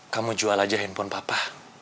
kamu jual aja handphone papa